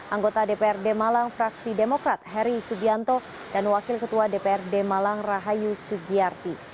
anggota dprd malang fraksi demokrat heri subianto dan wakil ketua dprd malang rahayu sugiyarti